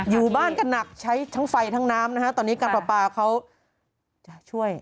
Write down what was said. อยู่บ้านกันหนักใช้ทั้งไฟทั้งน้ำนะฮะตอนนี้การประปาเขาจะช่วย